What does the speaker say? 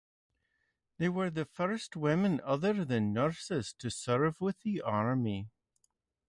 They were the first women other than nurses to serve with the Army.